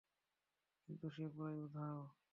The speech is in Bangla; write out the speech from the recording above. কিন্তু সে পুরোই উধাও।